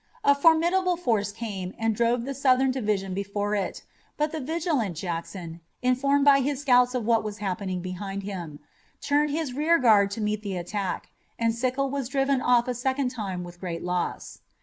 A formidable force came and drove the Southern division before it, but the vigilant Jackson, informed by his scouts of what was happening behind him, turned his rear guard to meet the attack, and Sickles was driven off a second time with great loss.